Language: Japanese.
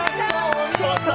お見事！